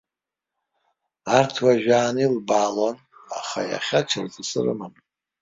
Арҭ уажәааны илбаалон, аха иахьа ҽырҵысы рымам.